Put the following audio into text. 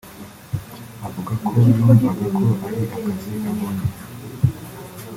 Avuga ko yumvaga ko ari akazi abonye